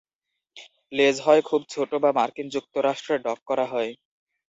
লেজ হয় খুব ছোট বা মার্কিন যুক্তরাষ্ট্রে ডক করা হয়।